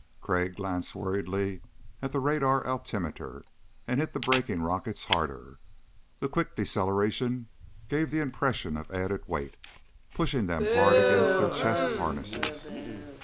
Crag glanced worriedly at the radar altimeter and hit the braking rockets harder. The quick deceleration gave the impression of added weight, pushing them hard against their chest harnesses.